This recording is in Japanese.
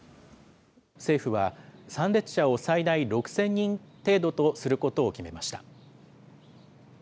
政府は参列者を最大６０００人程度とすることなどを決めました。